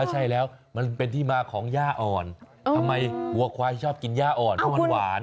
ใช่แล้วมันเป็นที่มาของย่าอ่อนทำไมวัวควายชอบกินย่าอ่อนเพราะมันหวาน